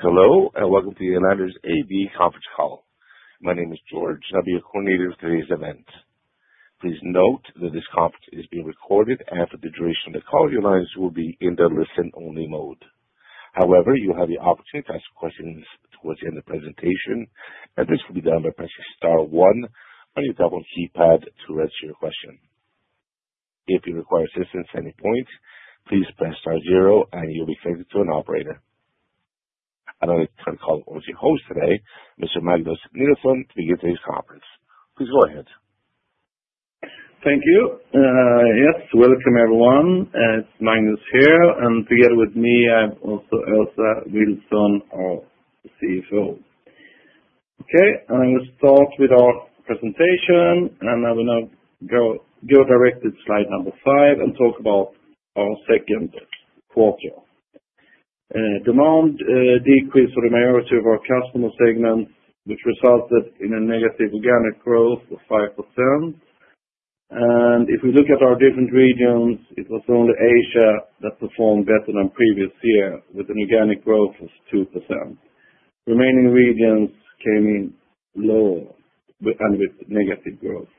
Hello and welcome to the Elanders AB conference call. My name is George, and I'll be your coordinator for today's event. Please note that this conference is being recorded, and for the duration of the call, your lines will be in the listen-only mode. However, you'll have the opportunity to ask questions towards the end of the presentation, and this will be done by pressing star one on your double keypad to register your question. If you require assistance at any point, please press star zero, and you'll be connected to an operator. I'd like to turn the call over to your host today, Mr. Magnus Nilsson, to begin today's conference. Please go ahead. Thank you. Yes, welcome everyone. Magnus here, and together with me, I also have Åsa Vilsson, our CFO. Okay, I'm going to start with our presentation, and I will now go directly to slide number five and talk about our second quarter. Demand decreased for the majority of our customer segments, which resulted in a negative Organic growth of 5%. If we look at our different regions, it was only Asia that performed better than previous year with an Organic growth of 2%. Remaining regions came in low and with negative growth.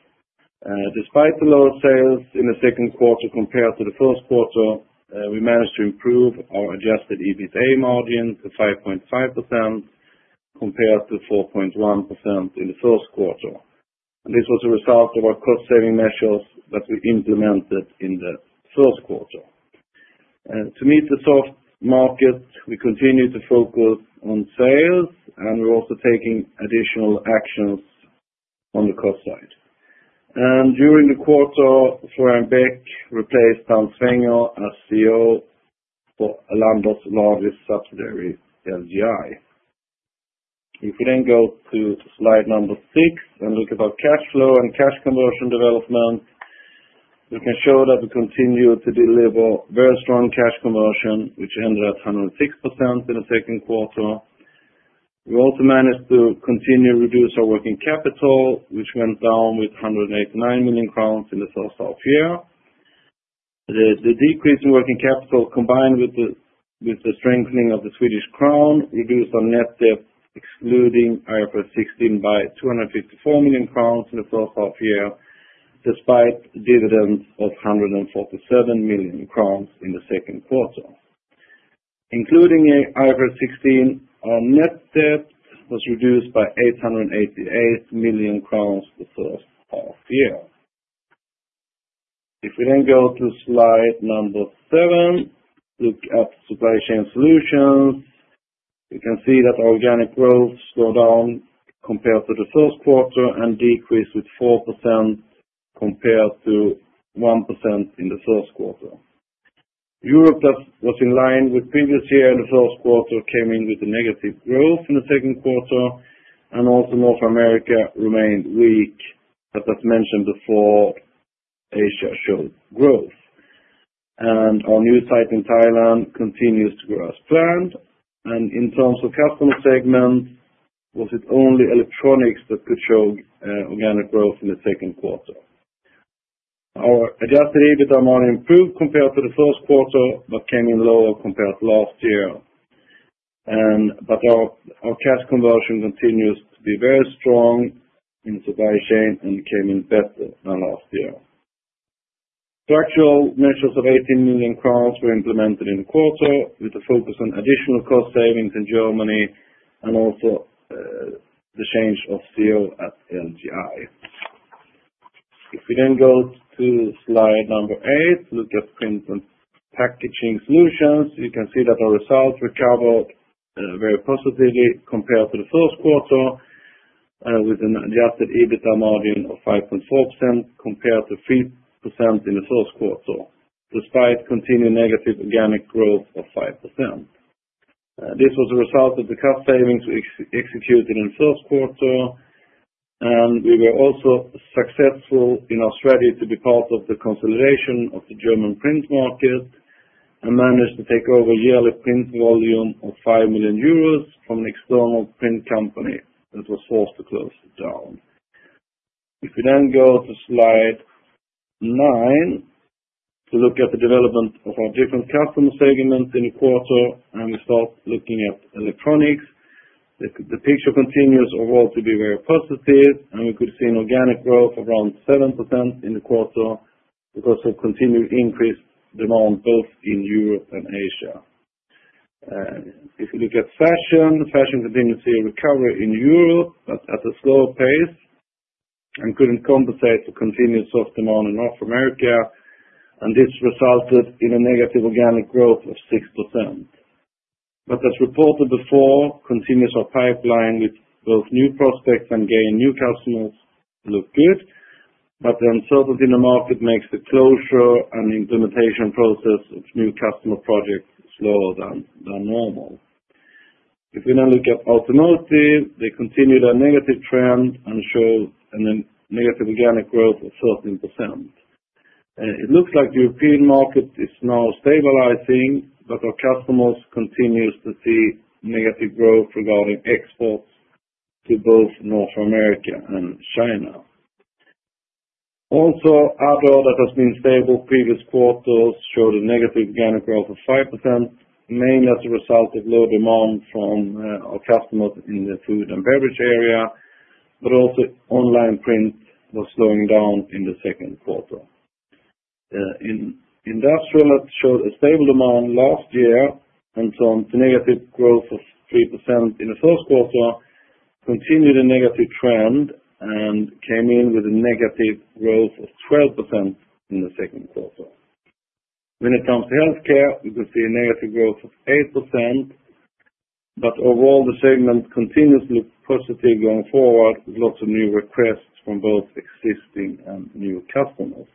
Despite the lower sales in the second quarter compared to the first quarter, we managed to improve our Adjusted EBITDA margin to 5.5% compared to 4.1% in the first quarter. This was a result of our cost-saving measures that we implemented in the first quarter. To meet the soft market, we continue to focus on sales, and we're also taking additional actions on the cost side. During the quarter, Svein Beck replaced Dan Svensson as CEO for Elanders' largest subsidiary, LGI. If you then go to slide number six and look at our cash flow and Cash conversion development, we can show that we continue to deliver very strong Cash conversion, which ended at 106% in the second quarter. We also managed to continue to reduce our working capital, which went down by 189 million crowns in the first half year. The decrease in working capital, combined with the strengthening of the Swedish Krona, reduced our net debt, excluding IFRS 16, by SEK 254 million in the first half year, despite a dividend of 147 million crowns in the second quarter. Including IFRS 16, our net debt was reduced by 888 million crowns in the first half year. If we then go to slide number seven, look at Supply Chain Solutions, you can see that our Organic growth slowed down compared to the first quarter and decreased by 4% compared to 1% in the first quarter. Europe was in line with previous year in the first quarter, came in with a negative growth in the second quarter, and also North America remained weak. As I've mentioned before, Asia showed growth. Our new site in Thailand continues to grow as planned. In terms of customer segments, it was only electronics that could show Organic growth in the second quarter. Our Adjusted EBITDA margin improved compared to the first quarter, but came in lower compared to last year. However, our Cash conversion continues to be very strong in Supply Chain Solutions and came in better than last year. Structural measures of 18 million crowns were implemented in the quarter with a focus on additional cost savings in Germany and also the change of CEO at LGI. If we then go to slide number eight and look at Print & Packaging Solutions, you can see that our results recovered very positively compared to the first quarter, with an Adjusted EBITDA margin of 5.4% compared to 3% in the first quarter, despite continued negative Organic growth of 5%. This was a result of the cost savings we executed in the first quarter, and we were also successful in our strategy to be part of the consolidation of the German print market and managed to take over a yearly print volume of 5 million euros from an external print company that was forced to close down. If we then go to slide nine to look at the development of our different customer segments in the quarter, and we start looking at electronics, the picture continues overall to be very positive, and we could see an Organic growth of around 7% in the quarter because of continued increased demand both in Europe and Asia. If we look at fashion, fashion continues to see a recovery in Europe, but at a slower pace and couldn't compensate for continued soft demand in North America, and this resulted in a negative Organic growth of 6%. As reported before, continuous pipeline with both new prospects and gaining new customers looked good, but the uncertainty in the market makes the closure and the implementation process of new customer projects slower than normal. If we then look at automotive, they continued a negative trend and showed a negative Organic growth of 14%. It looks like the European market is now stabilizing, but our customers continue to see negative growth regarding exports to both North America and China. Also, Avro, that has been stable in previous quarters, showed a negative Organic growth of 5%, mainly as a result of low demand from our customers in the food and beverage area, but also online print was slowing down in the second quarter. Industrial, that showed a stable demand last year and saw a negative growth of 3% in the first quarter, continued a negative trend and came in with a negative growth of 12% in the second quarter. When it comes to healthcare, we could see a negative growth of 8%, but overall, the segment continues to look positive going forward with lots of new requests from both existing and new customers.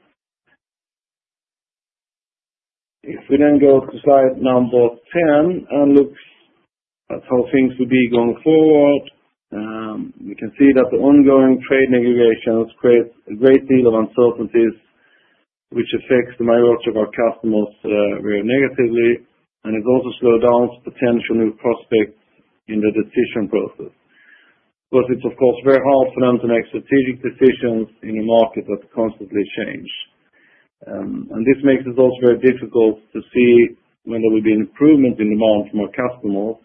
If we then go to slide number ten and look at how things will be going forward, you can see that the ongoing trade negotiations create a great deal of uncertainties, which affects the majority of our customers very negatively, and it also slows down potential new prospects in the decision process. It is, of course, very hard for them to make strategic decisions in a market that constantly changes. This makes it also very difficult to see when there will be an improvement in demand from our customers.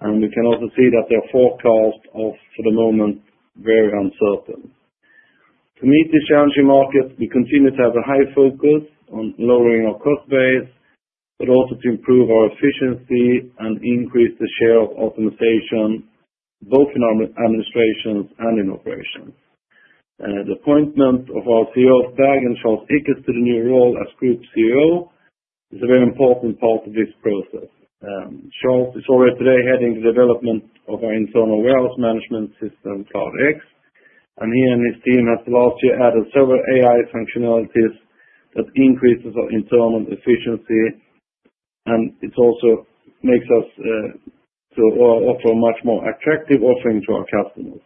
We can also see that their forecasts are, for the moment, very uncertain. To meet this challenging market, we continue to have a high focus on lowering our cost base, but also to improve our efficiency and increase the share of optimization both in our administration and in operations. The appointment of our CEO of TAG and Charles Ickes to the new role as Group CEO is a very important part of this process. Charles is already today heading the development of our internal warehouse management system, CloudX, and he and his team have last year added several AI functionalities that increase our internal efficiency, and it also makes us able to offer a much more attractive offering to our customers.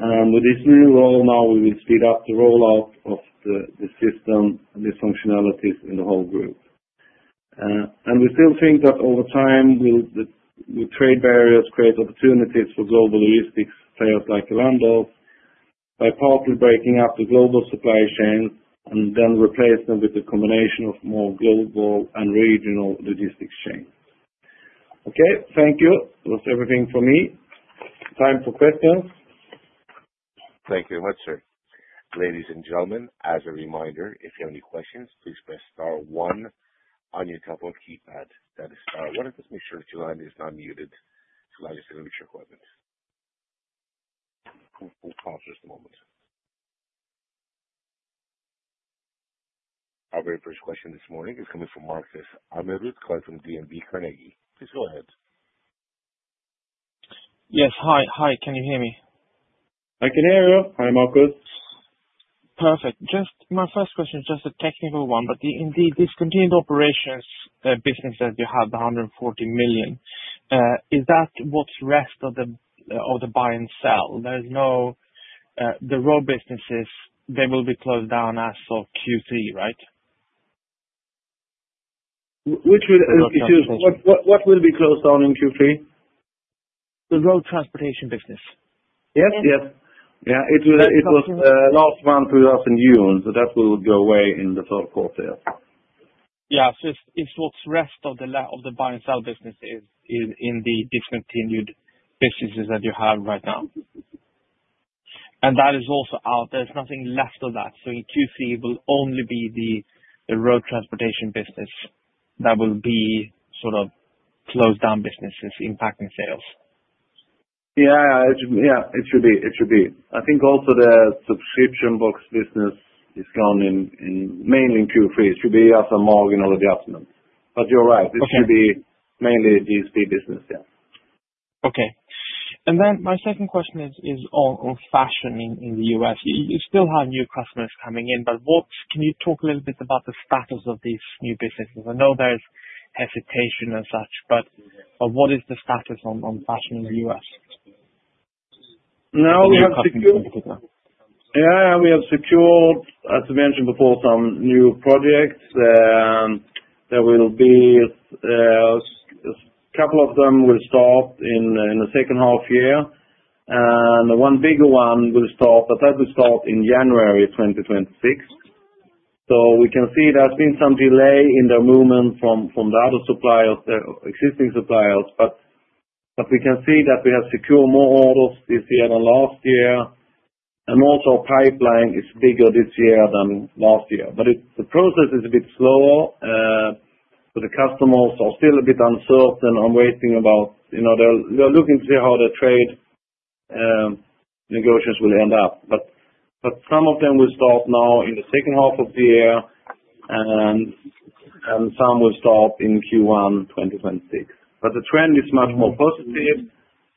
With this new role now, we will speed up the rollout of the system and the functionalities in the whole group. We still think that over time, the trade barriers create opportunities for global logistics players like Elanders by partly breaking up the global supply chain and then replacing them with a combination of more global and regional logistics chains. Okay, thank you. That's everything from me. Time for questions. Thank you very much, sir. Ladies and gentlemen, as a reminder, if you have any questions, please press star one on your double keypad. That is star one. Just make sure that your line is not muted to allow you to finish your questions. We'll pause for just a moment. Our very first question this morning is coming from Marcus Ng with a client from DNB Carnegie. Please go ahead. Yes. Hi. Can you hear me? I can hear you. Hi, Marcus. Perfect. Just my first question is just a technical one, but in the discontinued operations, business that you have, the $140 million, is that what's the rest of the buy and sell? There's no, the road transportation business, they will be closed down as of Q3, right? Which will be closed? What will be closed down in Q3? The road transportation business. Yes, last month we were up in June, so that will go away in the third quarter. It's what's the rest of the buy and sell business is in the discontinued businesses that you have right now. That is also out. There's nothing left of that. In Q3, it will only be the road transportation business that will be sort of closed down businesses impacting sales. Yeah, it should be. It should be. I think also the subscription box business is coming in mainly in Q3. It should be as a marginal adjustment. You're right, this should be mainly a GSP business. Yeah. Okay. My second question is on fashion in the U.S. You still have new customers coming in, but can you talk a little bit about the status of these new businesses? I know there's hesitation and such, but what is the status on fashion in the U.S.? We have secured, as I mentioned before, some new projects. A couple of them will start in the second half of the year, and the one bigger one will start in January of 2026. We can see there's been some delay in the movement from the other suppliers, the existing suppliers, but we can see that we have secured more orders this year than last year. Also, our pipeline is bigger this year than last year, but the process is a bit slower. The customers are still a bit uncertain and waiting about, you know, they're looking to see how the trade negotiations will end up. Some of them will start now in the second half of the year, and some will start in Q1 2026. The trend is much more positive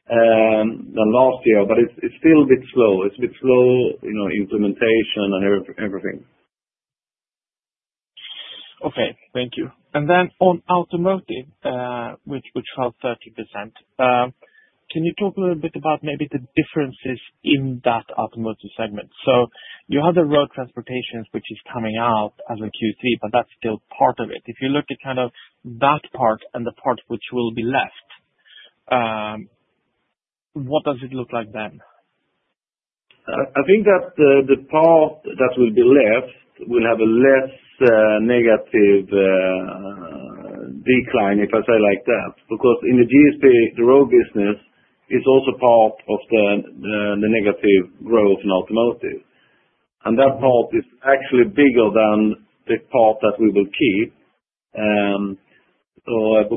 than last year, but it's still a bit slow. It's a bit slow, you know, implementation and everything. Thank you. On automotive, which held 30%, can you talk a little bit about maybe the differences in that automotive segment? You have the road transportation business, which is coming out as of Q3, but that's still part of it. If you look at that part and the part which will be left, what does it look like then? I think that the part that will be left will have a less negative decline, if I say like that, because in the GSP, the road business is also part of the negative growth in automotive. That part is actually bigger than the part that we will keep, because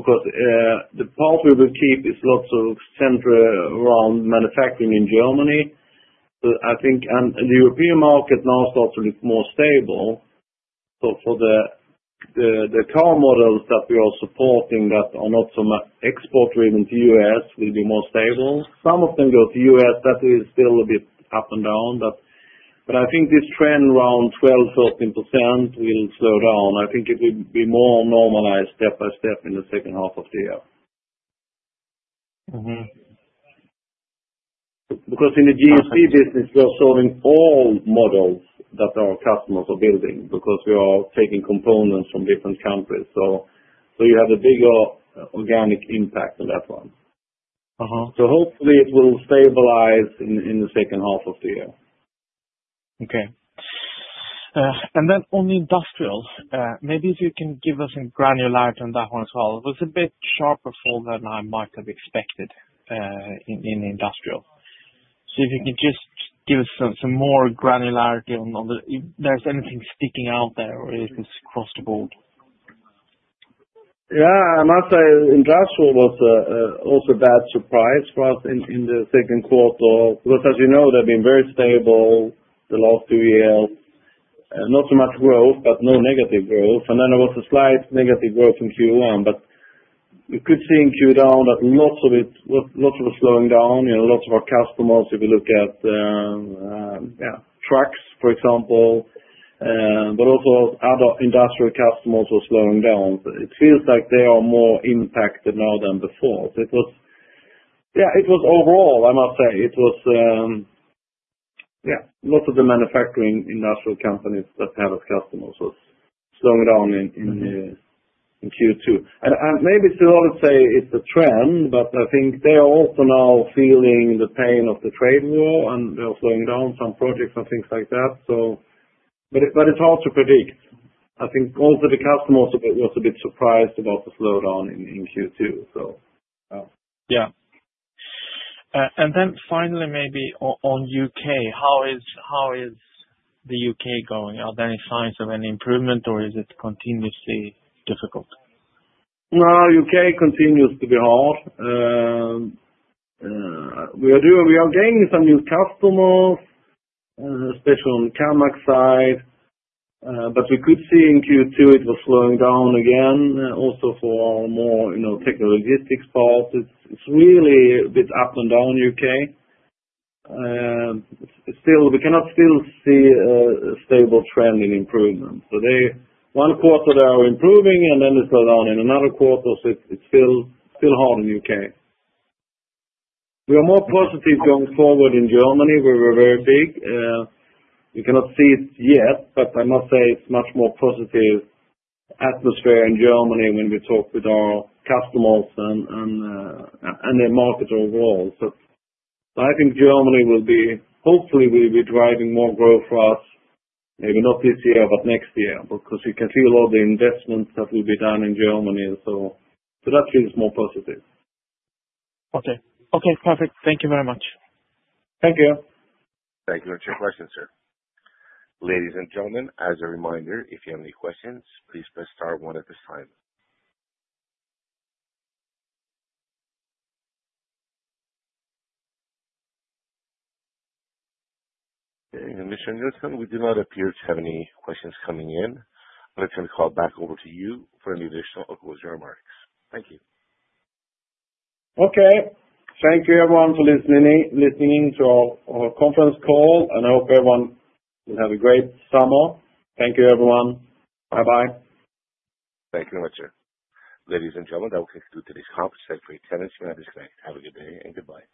the part we will keep is lots of center around manufacturing in Germany. I think the European market now starts to look more stable. For the car models that we are supporting that are not so much export-driven to the U.S., it will be more stable. Some of them go to the U.S. That is still a bit up and down. I think this trend around 12%, 13% will slow down. I think it will be more normalized step by step in the second half of the year. In the GSP business, we are serving all models that our customers are building because we are taking components from different countries, so you have a bigger organic impact on that one. Hopefully, it will stabilize in the second half of the year. Okay, if you can give us some granularity on the industrial as well. It was a bit sharper fall than I might have expected in the industrial. If you could just give us some more granularity on if there's anything sticking out there or anything across the board. I must say industrial was also a bad surprise for us in the second quarter because, as you know, they've been very stable the last two years. Not so much growth, but no negative growth. There was a slight negative growth in Q1, but you could see in Q2 that lots of it was slowing down. Lots of our customers, if you look at trucks, for example, but also other industrial customers, were slowing down. It feels like they are more impacted now than before. It was overall, I must say, most of the manufacturing industrial companies that we have as customers were slowing down in Q2. Maybe still, I would say it's a trend, but I think they're also now feeling the pain of the trade war, and they're slowing down some projects and things like that. It's hard to predict. I think also the customers were a bit surprised about the slowdown in Q2. Yeah. Finally, maybe on UK, how is the UK going? Are there any signs of any improvement, or is it continuously difficult? The U.K. continues to be hard. We are gaining some new customers, especially on the Kammac side, but we could see in Q2 it was slowing down again, also for our more, you know, technologistics part. It's really a bit up and down in the U.K.. We cannot still see a stable trend in improvement. One quarter, they are improving, and then they slow down in another quarter. It's still hard in the U.K.. We are more positive going forward in Germany. We were very big. We cannot see it yet, but I must say it's a much more positive atmosphere in Germany when we talk with our customers and their market overall. I think Germany will be, hopefully, driving more growth for us, maybe not this year, but next year, because you can see a lot of the investments that will be done in Germany. That feels more positive. Okay. Perfect. Thank you very much. Thank you. Thank you. What's your question, sir? Ladies and gentlemen, as a reminder, if you have any questions, please press star one at this time. Mr. Nilsson, we do not appear to have any questions coming in. I'll turn the call back over to you for any additional or closing remarks. Thank you. Okay. Thank you, everyone, for listening to our conference call, and I hope everyone will have a great summer. Thank you, everyone. Bye-bye. Thank you very much, sir. Ladies and gentlemen, that will conclude today's conference. Thank you for your attention, and I wish you a nice day. Have a good day and goodbye.